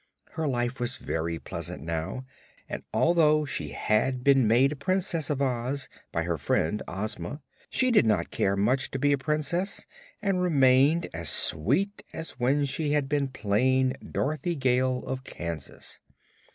Her life was very pleasant now, and although she had been made a Princess of Oz by her friend Ozma she did not care much to be a Princess and remained as sweet as when she had been plain Dorothy Gale of Kansas.